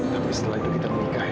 tapi setelah itu kita bernikah ya